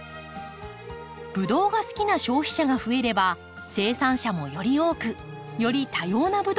ブドウが好きな消費者が増えれば生産者もより多くより多様なブドウをつくることができる。